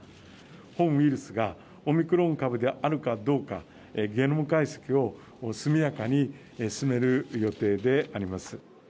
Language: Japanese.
本ウイルスがオミクロン株であるかどうか、ゲノム解析を速やかに進める予定であります。